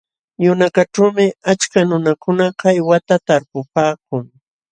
Yunakaćhuumi achka nunakuna kaywata talpupaakun.